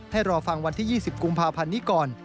รอฟังวันที่๒๐กุมภาพันธ์นี้ก่อน